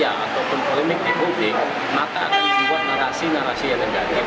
ataupun polemik di publik maka akan membuat narasi narasi yang negatif